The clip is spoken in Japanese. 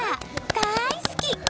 大好き！